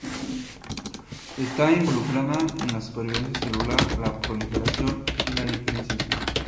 Está involucrada en la supervivencia celular, la proliferación y la diferenciación.